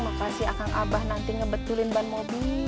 makasih akang abah nanti ngebetulin ban mobil gitu